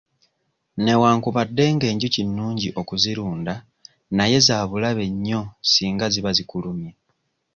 Newankubadde ng'enjuki nnungi okuzirunda naye za bulabe nnyo singa ziba zikulumye.